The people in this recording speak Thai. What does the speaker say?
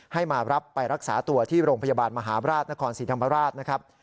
ให้มารับไปรักษาตัวที่โรงพยาบาลมหาบราชนครศรีธรรมราชนะครับ